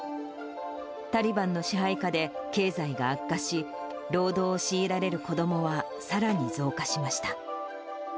タリバンの支配下で経済が悪化し、労働を強いられる子どもはさらに増加しました。